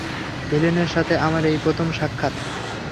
ভিলেনের সাথে আমার এই প্রথম সাক্ষাৎ।